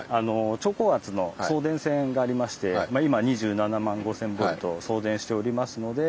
超高圧の送電線がありまして今２７万５，０００ボルト送電しておりますので。